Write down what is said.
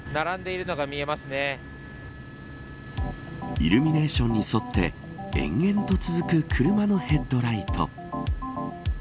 イルミネーションに沿って延々と続く車のヘッドライト。